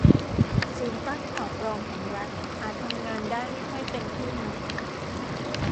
ศูนย์ต้านข่าวปลอมของรัฐอาจทำงานได้ไม่ค่อยเต็มที่นัก